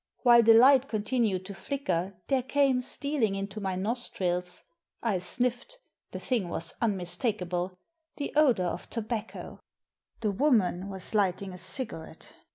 While the light continued to flicker there came stealing into my nostrils — I sniffed, the thing was unmistakable! — the odour of tobacco. The woman was lighting a cigarette.